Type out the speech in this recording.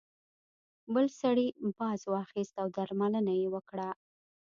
بل سړي باز واخیست او درملنه یې وکړه.